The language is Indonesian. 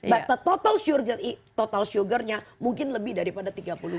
but the total sugar nya mungkin lebih daripada tiga puluh gram